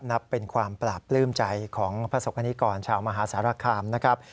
นับเป็นความปราบปลื้มใจของพระศกนิกรชาวมหาสารคามนะครับ